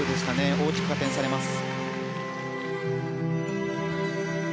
大きく加点されます。